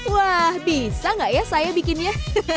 wah bisa nggak ya saya bikinnya